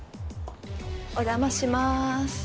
お邪魔します。